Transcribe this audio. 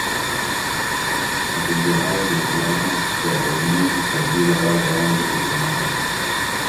Hatujawahi kubaguana kwa udini kabila wala rangi tulizonazo